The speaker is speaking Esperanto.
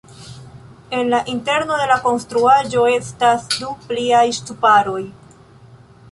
En la interno de la konstruaĵo estas du pliaj ŝtuparoj.